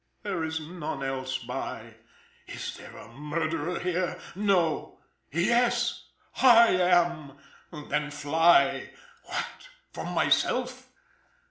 there is none else by: Is there a murderer here? No! Yes! I am! Then fly, what from myself?